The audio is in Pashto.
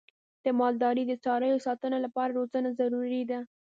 د مالدارۍ د څارویو د ساتنې لپاره روزنه ضروري ده.